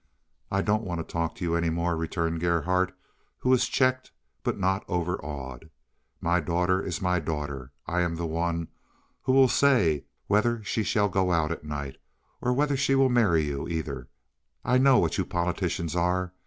"I don't want to talk to you any more," returned Gerhardt, who was checked but not overawed. "My daughter is my daughter. I am the one who will say whether she shall go out at night, or whether she shall marry you, either. I know what you politicians are.